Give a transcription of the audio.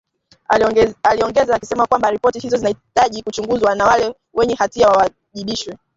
aliongeza akisema kwamba ripoti hizo zinahitaji kuchunguzwa na wale wenye hatia wawajibishwe